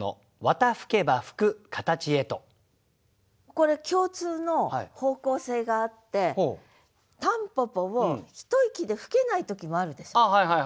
これ共通の方向性があって蒲公英をひと息で吹けない時もあるでしょ。